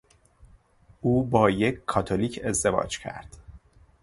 او با یک کاتولیک ازدواج کرد.